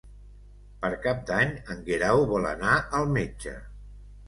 Per Cap d'Any en Guerau vol anar al metge.